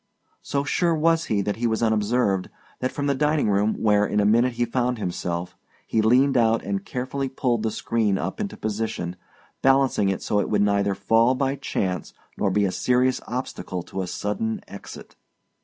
So sure was he that he was unobserved that, from the dining room where in a minute he found himself, he leaned out and carefully pulled the screen up into position, balancing it so it would neither fall by chance nor be a serious obstacle to a sudden exit.